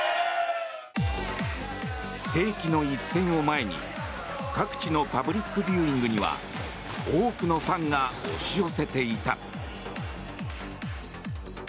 世紀の一戦を前に各地のパブリックビューイングには多くのファンが押し寄せていた。